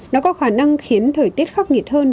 nó có khả năng khiến thời tiết khắc nghiệt hơn